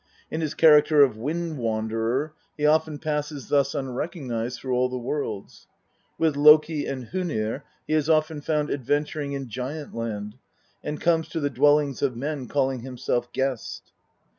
In his character of Wind wanderer he often passes thus unrecognised through all the worlds. With Loki and Honir he is often found adventuring in Giant land, and comes to the dwellings of men calling himself " Gest."